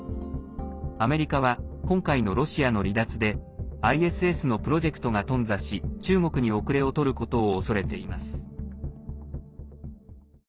アメリカは今回のロシアの離脱でＩＳＳのプロジェクトが頓挫し中国に遅れをとることを恐れています。